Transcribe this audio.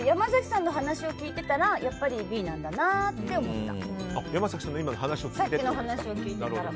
山添さんの話を聞いていたらやっぱりＢなんだなって思った。